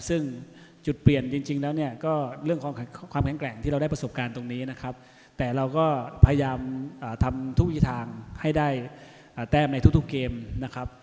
ซึ่งจุดเปลี่ยนจริงแล้วเนี่ยก็เรื่องของความแข็งแกร่งที่เราได้ประสบการณ์ตรงนี้นะครับแต่เราก็พยายามทำทุกวิธีทางให้ได้แต้มในทุกเกมนะครับ